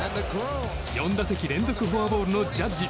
４打席連続フォアボールのジャッジ。